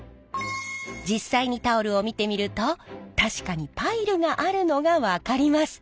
実際にタオルを見てみると確かにパイルがあるのが分かります。